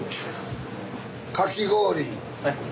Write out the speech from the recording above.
かき氷。